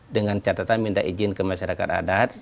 dengan catatan minta izin ke masyarakat adat